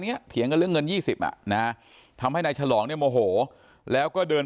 เถียงกันเรื่องเงิน๒๐อ่ะนะทำให้นายฉลองเนี่ยโมโหแล้วก็เดิน